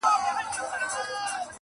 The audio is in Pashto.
درد له نسل څخه تېرېږي تل،